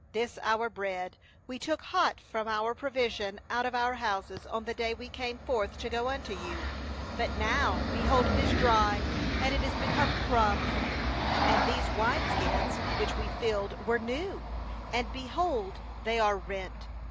^This^ our bread we took hot for our provision out of our houses on the day we came forth to go unto you; but now, be hold, it is dry, and is become crumbs. 13And these wine skins, which we filled, were new; and, behold, they are rent.